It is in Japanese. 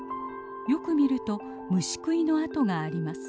よく見ると虫食いの跡があります。